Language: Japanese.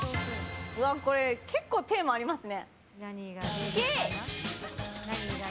結構テーマありますね。